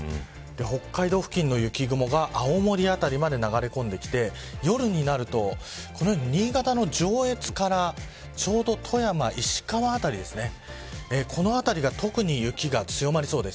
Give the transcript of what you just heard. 北海道付近の雪雲が青森辺りまで流れ込んできて夜になるとこのように新潟の上越からちょうど富山、石川辺りこの辺りが特に雪が強まりそうです。